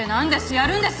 やるんです？